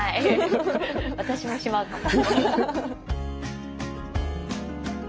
私はしまうかも。